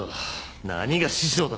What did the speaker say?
何が師匠だ。